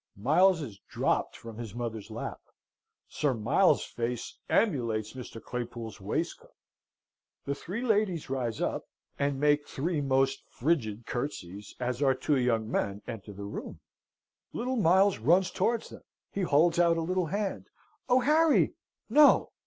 Miles is dropped from his mother's lap. Sir Miles's face emulates Mr. Claypool's waistcoat. The three ladies rise up, and make three most frigid curtseys, as our two young men enter the room. Little Miles runs towards them. He holds out a little hand. "Oh, Harry! No!